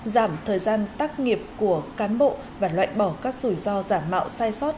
giảm thời gian tắc nghiệp của cán bộ và loại bỏ các rủi ro giảm mạo sai sót